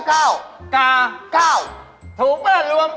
หวยชุดมีอะไรบ้างอ่ะ